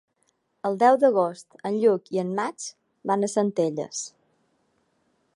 El deu d'agost en Lluc i en Max van a Centelles.